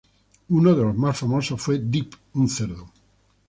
Uno de los más famosos fue Dip, un cerdo.